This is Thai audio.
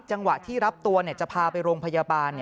จังหวะที่รับตัวจะพาไปโรงพยาบาล